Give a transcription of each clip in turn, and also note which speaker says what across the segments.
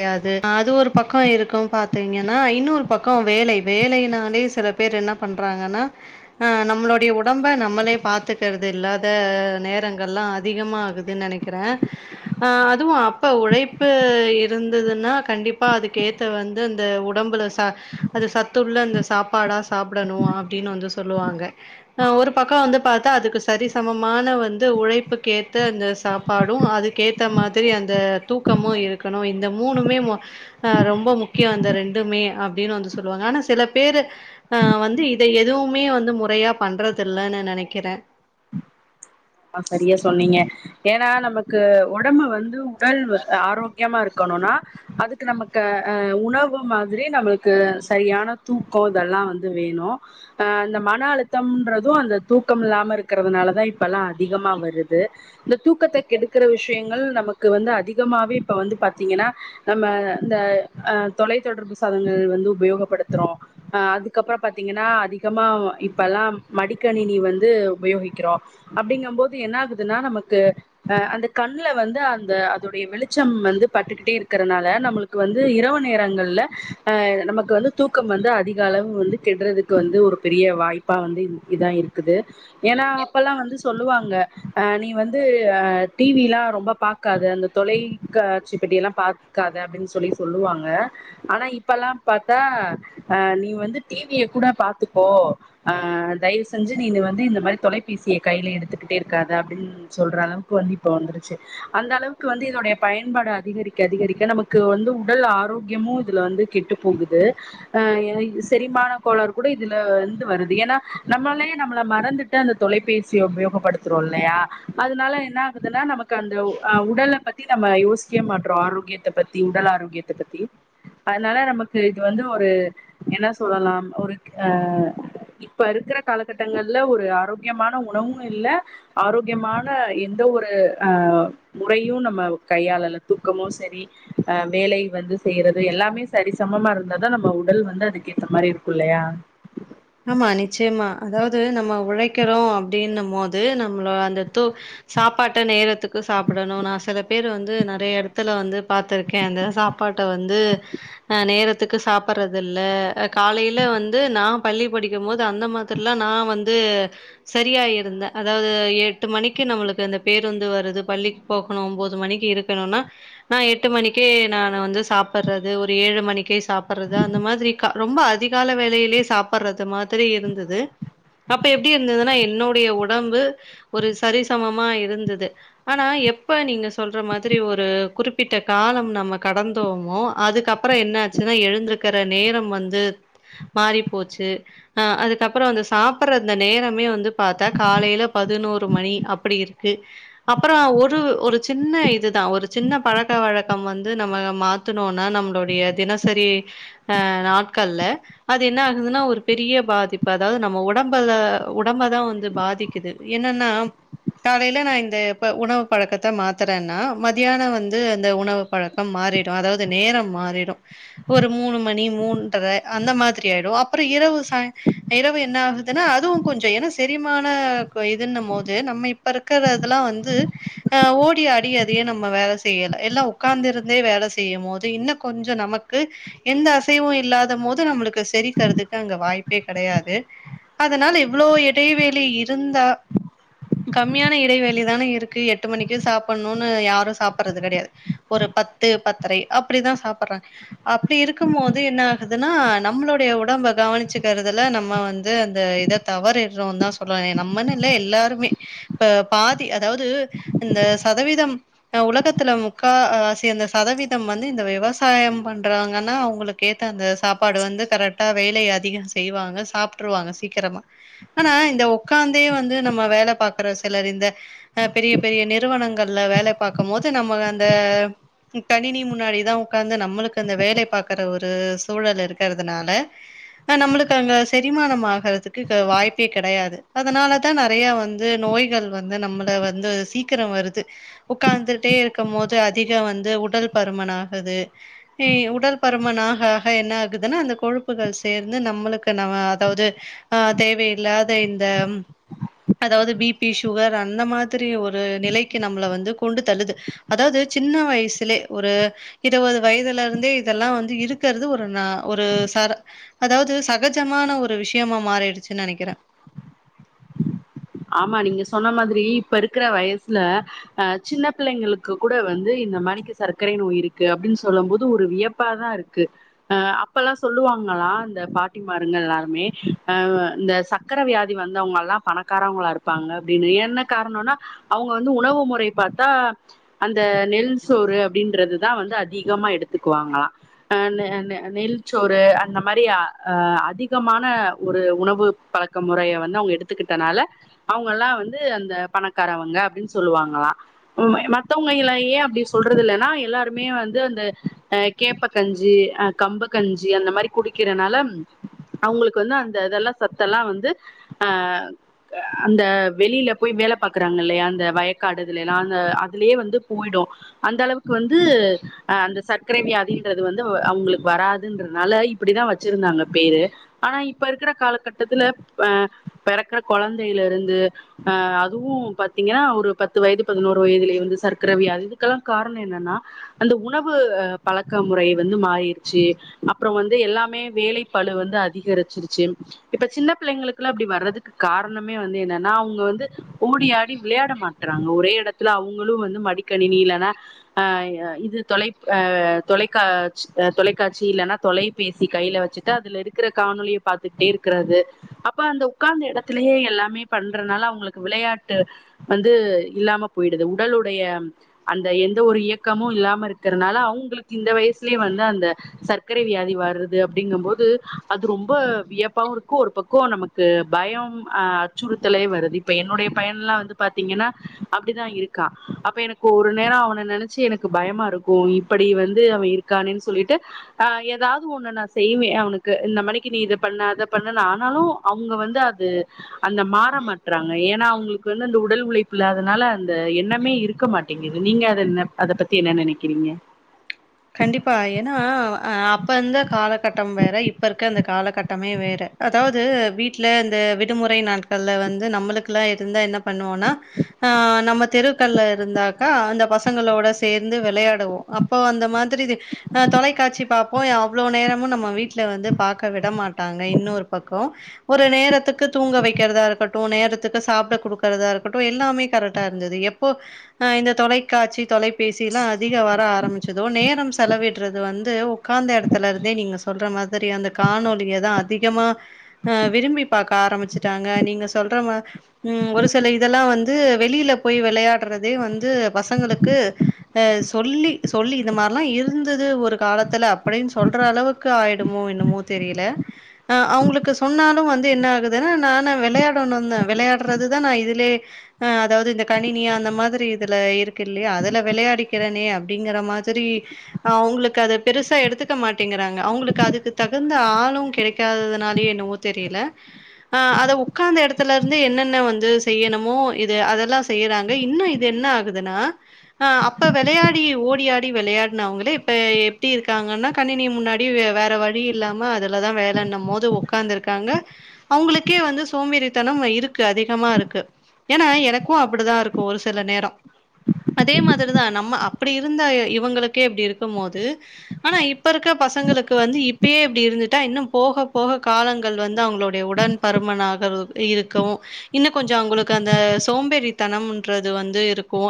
Speaker 1: கிடையாது அது ஒரு பக்கம் இருக்கும் பாத்தீங்கன்னா இன்னொரு பக்கம் வேல வேலைனாலே சில பேரு என்ன பண்றாங்கன்னா ஆ நம்மோளுடைய உடம்ப நம்மளே பாத்துக்கறது இல்லாத நேரங்கல்லா அதிகமாகுது நெனைக் க்கிறே அதுவு அப்ப உழைப்பு இருந்ததுன்னா கண்டிப்பா அதுக்கு ஏத்த வந்து இந்த உடம்புல ச அது சத்துள்ள இந்த சாப்பாடா சாப்படணு அப்டின்னு வந்து சொல்லுவாங்க நா ஒரு பக்கோ வந்து பாத்தா அதுக்கு சரிசமமான வந்து உழைப்புக்கேத்த அந்த சாப் பாடு அதுக்கேத்த மாதிரி அந்த தூக்கமு இருக்கணு இந் த மூணுமே மொ ஆ ரொம்ப முக்கியோ அந்த ரண்டுமே அப்டின்னு வந்து சொல்லுவாங்க ஆனா சில பேரு ஆ வந்து இத எதுவுமே வந்து முறையா பண்றதுல்லன்னு நெனக்கிற
Speaker 2: ஆ சரியா சொன்னீங்க ஏன்னா நமக்கு ஒடம்பு வந்து உடல் ஆரோக் கியமா இருக்கணுன்னா அதுக்கு நமக்கு ஆ உணவு மாதிரி நம்மளக்கு சரியான தூக்கோ இதெல்லா வந்து வேணு ஆ அந்த மன அழுத்தம்ன்றது அந்த தூக்கம் இல்லாம இருக்கிறதுனால தா இப்பல்லா அதிகமாக வருது இந்த தூக்கத்த கெடுக்கிற விஷியங்கள் நமக்கு வந்து அதிகமாவே இப்ப வந்து பாத்தீங்கன்னா நம்ம இந்த ஆ தொலைத்தொடர்பு சாதங்கள் வந்து உபயோகப்படுத்துறோ ஆ அதுக்கப்புறோ பாத்தீங்கன்னா அதிகமா இப்பயெல்லா மடிக்கணினி வந்து உபயோகிக்கிறோ அப்டிங்க போது என்ன ஆகுதுன்னா நமக்கு ஆ அந்த கண்ல வந்து அந்த அதோடைய வெளிச்சம் வந்து பட்டுக்கிட்டே இருக்கறனால நம்பளுக் கு வந்து இரவு நேரங்கள்ல ஆ நமக்கு வந்து தூக்கம் வந்து அதிகளவு வந்து கெடறதுக் கு வந்து ஒரு பெரிய வாய்ப்பா வந்து இதா இருக்குது ஏன்னா அப்பல்லா வந்து சொல்லுவாங்க ஆ நீ வந்து ஆ டிவிலா ரொம்ப பாக்காத அந்த தொலைக்கா ச்சி பெட்டி எல்லா பாக்காத அப்டின் சொல்லி சொல்லுவாங்க ஆனா இப்பல்லா பாத்தா ஆ நீ வந்து டிவிய கூட பாத்துக்கோ ஆ தயவ செஞ்சி நீங்க வந்து இந்த மாரி தொலைபேசிய கையில எடுத்துக்கிட்டே இருக்காத அப்டின் சொல்ற அளவுக்கு வந்து இப்போ வந்துருச்சி அந்த அளவுக்கு வந்து இதோடைய பயன்பாடு அதிகரிக்க அதிகரிக்க நமக்கு வந்து உடல் ஆரோக்கியமு இதுல வந்து கெட்டு போகுது அ செரிமான கோளாறு கூட இதுல இருந்து வருது ஏன்னா நம்மளயே நம்மள மறந்துட் டு அந்த தொலைபே சிய உபயோகப்படுத்துறோல்லையா அதனால என்ன ஆகுதுன்னா நமக்கு அந்த உ அ உடல பத் த்தி நம்ம யோசிக்க மாட்றோ ஆரோகியத்த பத்தி உடல் ஆரோக்கியத்த பத்தி அதனால நமக்கு இது வந்து ஒரு என்ன சொல்லலாம் ஒரு அ இப்ப இருக்கிற காலகட்டங்கள்ல ஒரு ஆரோக்கியமான உணவும் இல்ல ஆரோக்கியமான எந்த ஒரு அ முறையு நம்ம கையாலல தூக்கமு சரி அ வேலை வந்து செய்யறது எல்லாமே சரிசமமா இருந்தாதா நம்ம உடல் வந்து அதுக்கேத்த மாரி இருக்கு இல்லயா
Speaker 1: ஆமா நிச்சயமா அதாவது நம்ம உழைக்கிறோ அப்படின்னு போது நம்மள அந்த தோ சாப்பாட்ட நேரத்துக்கு சாப்படணு நா சில பேர் வந்து நிறைய இடத்துல வந்து பாத்துருக் கே அந்த சாப்பாட்ட வந்து அ நேரத்துக்கு சாப்பற்றது இல்ல காலையில வந்து நா பள்ளி படிக்கு போது அந்த மாதிரில்லா நாவந்து சரியா இருந்தே அதாவது எட்டு மணிக்கு நம்மளுக்கு அந்த பேர் வந்து வருது பள்ளி போகணு ஒம்போது மணிக்கு இருக்கணுனா ஆ எட்டு மணிக்கே நானு வந்து சாப்பிற்றது ஒரு ஏழு மணிக் கு சாப்பற்றது அந்த மாதிரி ரொம்ப அதிகால வேலயிலயே சாப்பற்றது மாதிரி இருந்தது அப்ப எப்டி இருந்ததுன்னா என்னுடைய உடம்பு ஒரு சரிசமமா இருந்துது ஆனா எப்ப நீங்க சொல்ற மாதிரி ஒரு குறிப்பிட்ட காலம் நம்ம கடந்தோமோ அதுக்கப் பறோ என்ன ஆச்சுன்னா எழுந்திருக்கற நேரம் வந்து மாறி போச்சு அ அதுக்கப்புறோ வந்து சாப்பற்ற அந்த நேரமே வந்து பாத்தா காலையில பதினோரு மணி அப்டி இருக்கு அப்பறோ ஒரு ஒரு சின்ன இதுதா ஒரு சின்ன பழக்க வழக்கம் வந்து நம்ம மாத் துனோன்னா நம்மளுடைய தினசரி ஆ நாட்கள்ள அது என்ன அதுனா ஒரு பெரிய பாதிப்பு அதாவது நம்ம உடம்பல்ல உடம்பதா வந்து பாதிக்குது என்னன்னா காலையில நா இந்த இப்ப உணவு பழக்கத்த மாத்தறேன்னா மதியானம் வந்து அந்த உணவு பழக்கம் மாறிடு அதாவது நேரம் மாறிடு ஒரு மூனு மணி மூன்டற அந்த மாதிரி ஆயிடு அப்புறோ இரவு சாய் இரவு என்ன ஆகுதுன்னா அதுவு கொஞ்சோ ஏன்னா செரிமான இதுன்னும் போது நம்மை இப்ப இருக்கறதுல்லா வந்து ஆ ஓடி ஆடி எதையு நம்ம வேல செய்யல எல்லா உக்காந்து இருந்தே வேல செய்யும் போது இன்னு கொஞ்ச நமக்கு எந்த அசைவு இல்லாத மோது நம்மளுக்கு செரிக்கறதுக் அங்க வாய்ப்பே கெடையாது அதனால எவ்ளோ இடைவெளி இருந்தா கம்மியான இடைவெளி தானே இருக்கு எட்டு மணிக்கு சாப்பனுன்னு யாரு சாப்பற்றது கெடையாது ஒரு பத்து பத்தரை அப்டிதா சாப்பற்றாங் அப்டி இருக்கும் போது என்ன ஆகுதுன்னா நம்மளுடைய ஒடம்ப கவனிச்சுக்கறதுல நம்ம வந்து அந்த இத தவறிறோம தா சொல்லுவேனே நம்மன்னு இல்ல எல்லாருமே இப்ப பாதி அதாவது இந்த சதவீதம் உலகத்துல முக்கா சேர்ந்த சதவீதம் வந்து இந்த விவசாயம் பண்றாங்கன்னா அவங்களுக் கேத்த அந்த சாப்பாடு வந்து கரெக்டா வேலய அதிக செய்வாங்க சாப்ட்ருவாங்க சீக்கிரமா ஆனா இந்த உக்காந்தே வந்து நம்ம வேல பாக்கற சிலர் இந்த அ பெரிய பெரிய நிறுவனங்கள்ல வேல பாக்கும்போது நம்ம அந்த கணினி முன்னாடிதா உக்காந்து நம்மளுக்கு அந்த வேலைய பாக்கற ஒரு சூழல் இருக்கிறதுனால ஆ நம்மளுக்கு அங்க செரிமானம் ஆகிறதுக்கு க வாய்ப்பே கெடையாது அதனால தா நெறையா வந்து நோய்கள் வந்து நம்மள வந்து சீக்கிரோ வருது உக்காந்துட்டே இருக்கும் போது அதிகோ வந்து உடல் பருமன் ஆகுது எய் உடல் பருமன் ஆக ஆக என்ன ஆகுதுன்னா அந்த கொழுப் புகள் சேர்ந்து நம்மளுக்கு நவ அதாவது அ தேவையில்லாத இந்தம் அதாவது பிபி சுகர் அந்த மாதிரி ஒரு நிலைக்கு நம்மள வந்து கொண்டு தள்ளுது அதாவது சின்ன வயசுலே ஒரு இருவது வயதுல இருந்தே இதெல்லா வந்து இருக்கறது ஒரு நா ஒரு சர அதாவது சகஜமான ஒரு விஷயமா மாறிடுச்சுன்னு நெனைக்கிறே
Speaker 2: ஆமா நீங்க சொன்ன மாதிரி இப்ப இருக்குற வயசுல அ சின்ன பிள்ளைங்களுக்கு கூட வந்து இந்த மாரிக்கு சர்க்கரை நோய் இருக்கு அப்டின்னு சொல்லும் போது ஒரு வியப் ப்பாதா இருக்கு அ அப்பல்லா சொல்லுவாங்களா இந்த பாட்டி மாருங்கள் எல்லாருமே அ இந்த சக் சக்கர வியாதி வந்தவங்கல்லா பணக் காரவங்களா இருப்பாங்க அப்டின்னு என்ன காரணோனா அவங்க வந்து உணவு முறை பாத்தா அந்த நெல் சோறு அப்டின்றதுதா வந்து அதிகமா எடுத்துக்குவாங்களா ஆ நெ நெ நெல்ச்சோறு அந்த மாரி அ அதிகமான ஒரு உணவு பழக் க முறைய வந்து அவங்க எடுத்துக்கிட் டனால அவங்கல்லா வந்து அந்த பணக்காரவங்க அப்டின்னு சொல்லுவாங்களா ம் மை மத் தவங்க இல்லயே அப்டி சொல்றது இல்லன்னா எல்லாருமே வந் இது வந்து அ கேப்ப கஞ்சி அ கம்ப கஞ்சி அந்த மாரி குடிக்கிறனால அவங்களுக்கு வந்து அந்த இதெல்லா சத்தெல்லா வந்து ஆ அந்த வெளில போய் வேல பாக்குறாங்க இல்லயா அந்த வயக்காடு இதுலைல்லா அந்த அதுலயே வந்து போயிடு அந்த அளவுக்கு வந்து அ அந்த சர்க்கரை வியாதின்றது வந்து வ அவங்களுக்கு வராதுன்றதுனால இப்டிதான் வச்சிருந்தாங்க பேரு ஆனா இப்ப இருக்குற காலகட்டத்துல அ இருக்கற குழந்தையில இருந்து அ அதுவு பாத்தீங்கன்னா ஒரு பத்து வயது பதினோரு வயதுலேயே வந்து சர்க்கர வியாதி இதுக்கெல்லா காரணம் என்னன்னா அந்த உணவு பழக்க முறை வந்து மாறிடுச்சு அப்பறம் வந்து எல்லாமே வேல பழு வந்து அதிகரிச்சிருச்சு இப்ப சின்ன பிள்ளைங்களுக்கெல்லா அப்டி வர்றதுக் கு காரணமே வந்து என்னன்னா அவங்க வந்து ஓடியாடி விளையாட மாட்டறாங்க ஒரே இடத் துல அவங்களும் வந்து மடிக்கணினி இல்லன்னா ஆ அ இது தொலைப் ஆ தொலைக்காட்ச் தொலைக்காட்சி இல்லன்னா தொலைப் பேசி கையில வச்சுட்டு அதுல இருக்கிற காணொலிய பாத்துக்கிட்டே இருக்கிறது அப்ப அந்த உக்காந்த இடத்துலயே எல்லாமே பண்றதுனால அவங்களுக்கு விளையாட்டு வந்து இல்லாம போயிடுது உடலுடைய அந்த எந்த ஒரு ஏக்கமு இல்லாம இருக்கிறதுனால அவங்களுக்கு இந்த வயசுலயே வந்து அந்த சக்கரை வியாதி வருது அப்டிங்கும் போது அது ரொம்ப வியப்பாவும் இருக்கும் ஒரு பக்கோ நமக் கு பயம் ஆ அச்சுறுத்தலே வருது இப்ப என்னுடைய பையன் எல்லா வந்து பாத்தீங்கன்னா அப்டிதா இருக் கா அப்ப எனக்கு ஒரு நேரோ அவன நெனைச்சு எனக்கு பயமாருக்கு இப்டி வந்து அவன் இருக்கானேன்னு சொல்லிட்டு ஆ ஏதாவது ஒண்ணு நா செய்வேன் அவனுக்கு இந்த மணிக்கு நீ இத பண்ணாத பண்ணுன்னு ஆனாலு அவங்க வந்து அது அந்த மாற மாட்டறாங்க ஏன்னா அவங்களுக்கு வந்து அந்த உடல் உழைப்பு இல்லாதனால அந்த எண்ணமே இருக்க மாட் டேங்குது நீங்க அத என்ன அத பத்தி என்ன நெனைக்கிறீங்க
Speaker 1: கண்டிப்பா ஏன்னா ஆ அப்போ இருந்த காலகட்டம் வேற இப்ப இருக்க இந்த காலகட்டமே வேற அதாவது வீட்ல இந்த விடுமுறை நாட்கள்ல வந்து நம்மளுக்கெல்லா இருந்தா என்ன பண்ணுவோன்னா நம்ம தெருக்கள்ல இருந்தாக்கா அந்த பசங்களோட சேர்ந்து வெளையாடுவோ அப்ப அந்த மாதிரி அ தொலைக்காட்சி பாப்போ அவ்ளோ நேரமு நம்ம வீட்ல வந்து பாக்க விட மாட்டாங்க இன்னொரு பக்க ஒரு நேரத்துக்கு தூங்க வெக்கிறதா இருக்கட்டு நேரத்துக்கு சாப்ட குடுக்கறதா இருக் கட்டு எல்லாமே கரெட்டா இருந்தது எப்போ இந்த தொலைக்காட்சி தொலைப் பேசிலா அதிக வர ஆரம்பிச்சதோ நேரம் செலவிடுறது வந்து உக்காந்த எடத்துல இருந்தே நீங்க சொல்ற மாதிரி அந்த காணொலியதா அதிகமா அ விரும்பி பாக்க ஆரம்பிச்சுட்டாங்க நீங்க சொல்ற மா ம் ஒரு சில இதெல்லா வந்து வெளியில போய் வெளையாடுறதே வந்து பசங்களுக்கு அ சொல்லி சொல்லி இந்த மார்லா இருந்தது ஒரு காலத்துல அப்டின் சொல்ற அளவுக் கு ஆயிடுமோ என்னமோ தெரியல அ அவங்களுக்கு சொன்னாலு வந்து என்ன ஆகுதுனா நானா வெளையாடணுந்தா வெளையாடுறதுதா நா இதுலே ஆ அதாது இந்த கணினி அந்த மாதிரி இதுல இருக்கு இல்லையா அதுல விளையாடிக்கிறனே அப்டிங்கற மாதிரி அவங்களுக்கு அது பெருசா எடுத்துக்க மாட்டேங்கறாங்க அவங்களுக்கு அதுக்கு தகுந்த ஆளு கெடைக்காததுனாலயோ என்னவோ தெரியல ஆ அத உக்காந்த எடத்துல இருந்து என்னென்ன வந்து செய்யணுமோ இது அதெல்லா செய்யறாங்க இன்னு இது என்ன ஆகுதுன்னா அப்ப வெளையா டி ஓடியாடி வெளையாடினவங்களே இப்ப எப்டி இருக்காங்கன்னா கணினி முன்னாடி வேற வ ழி இல்லாம அதுலதா வேலண்ணம் போது உக்காந்துருக்காங்க அவங்களுக்கே வந்து சோம்பேறித்தனம் இருக்கு அதிகமாருக்கு ஏன்னா எனக்கு அப்படிதா இருக்கு ஒரு சில நேர அதே மாதிரிதா நம்ம அப்டி இருந்த இவங்களுக்கே இப்டி இருக்கும் போது ஆனா இப்ப இருக்க பசங்களுக்கு வந்து இப்பயே இப்டி இருந்துட்டா இன்னும் போக போக காலங்கள் வந்து அவங்களுடைய உடன் பருமனாகல் இருக்கு இன்னு கொஞ்ச அவங்களுக்கு அந்த சோம்பேறித்தனம்ன்றது வந்து இருக்கு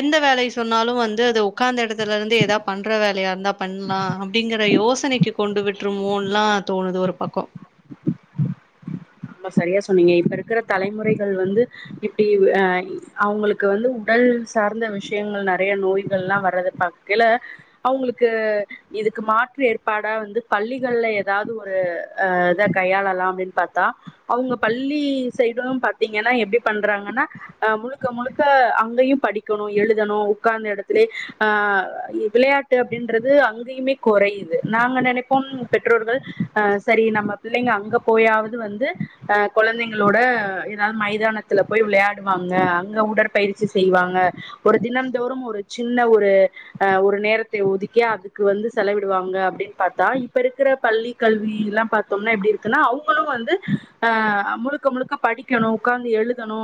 Speaker 1: எந்த வேலய சொன்னாலு வந் து அது உக்காந்த எடத்துல இருந்து ஏதா பண்ற வேலையா இருந்தா பண்லா அப்படிங்கிற யோசனைக்கு கொண்டு விட்டுருமோன்லா தோணுது ஒரு பக்க
Speaker 2: ரொம்ப சரியா சொன்னிங்க இப்ப இருக்கிற தலைமுறைகள் வந்து இப்டி அ அவுங்களுக்கு வந்து உடல் சார்ந்த விஷயங்கள் நெறய நோய்கள் எல்லா வர்றது பா க்கைல அவுங்களுக்கு இதுக்கு மாற்று ஏற்பாடா வந்து பள்ளிகள்ல ஏதாவது ஒரு ஆ இத கையாளலா அப்டின் பாத் தா அவுங்க பள்ளி சைடு பாத்திங்கன்னா எப்படி பண்றாங்கன்னா அ முழுக்க முழுக்க அங்கயும் படிக்கணு எழுதணு உக்காந்த எடத்துலேயே அ விளையாட் டு அப்டின்றது அங்கயுமே கொறையுது நாங்க நெனைப்போம் பெற்றோர்கள் அ சரி நம்ம பிள்ளைங்க அங்க போயாவது வந்து அ கொழந்தைங்களோட ஏதாவது மைதானத்துல போய் விளையாடுவாங்க அங்க உடற் பயிற்சி செய்வாங்க ஒரு தினம் தோறும் ஒரு சின்ன ஒரு அ ஒரு நேரத்தை ஒதுக்கி அதுக்கு வந்து செலவிடுவாங்க அப்டின் பாத்தா இப்ப இருக்கற பள்ளி கல்வி எல்லா பாத்தோம்னா எப்டி இருக்குன்னா அவுங் வந்து அ முழுக்க முழுக்க படிக்கணு உக்காந்து எழுதணு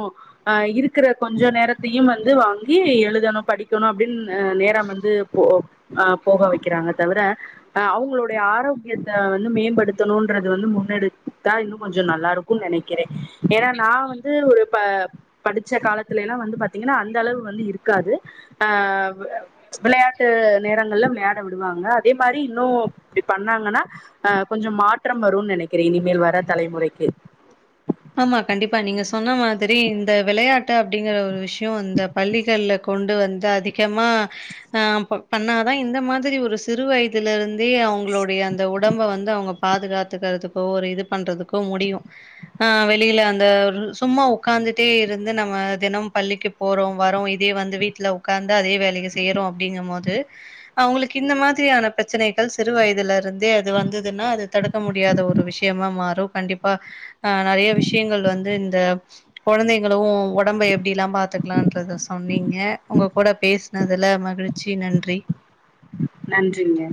Speaker 2: அ இருக்கிற கொஞ்ச நேரத்தையு வந்து வாங்கி எழுதணு படிக்கணு அப்டின் நேரம் வந்து போ அ போக வக்கிறாங்க தவிர அ அவுங்களுடைய ஆரோக்கியத்த வந்து மேம்படுத்தணுன்றது வந்து முன்னெடு தா இன்னு கொஞ்ச நல்லா இருக்கு நெனக்கிறே ஏனா நா வந்து ஒரு ப படிச்ச காலத்துலிலா வந்து பாத்தீங்கன்னா அந்தளவு வந்து இருக்காது ஆ விளையாட்டு நேரங்கள்ல விளையா ட விடுவாங்க அதே மாரி இன்னு இப்டி பண்ணாங்கன்னா அ கொஞ்ச மாற்றம் வரும் நெனக்கிறே இனிமேல் வர தலைமுறைக்கி
Speaker 1: ஆமா கண்டிப்பா நீங்க சொன்ன மாதிரி இந்த வெளையாட்டு அப்டிங்கற ஒரு விஷ்யோ வந்து பள்ளிகள்ல கொண்டு வந்து அதிகமா ஆ பண்ணாதா இந்த மாத்ரி ஒரு சிறு வயதுல இருந்தே அவுங்களுடைய அந்த ஒடம்ப வந்து அவுங்க பாதுகாத்துக்கறதுக்கோ ஒரு இது பண்றதுக்கோ முடியு ஆ வெளில அந்த சும்மா உக்காந்துட்டே இருந்து நம்ம தினம் பள்ளிக்கி போறோ வரோ இதே வந்து வீட்ல உக்காந்து அதே வேலய செய்யறோ அப்டிங்கும் போது அவுங்களுக்கு இந்த மாதிரியான பிரச்சனைகள் சிறு வயதுலருந் தே அது வந்ததுன்னா அது தடுக்க முடியாத ஒரு விஷயமா மாறு கண்டிப்பா ஆ நெறய விஷயங்கள் வந்து இந்த கொழந்தைங்களு ஒடம்ப எப்டிலா பாத்துக்கலான்றத சொன்னீங்க உங்க கூட பேசுனதுல மகிழ்ச்சி நன்றி
Speaker 2: நன்றிங்க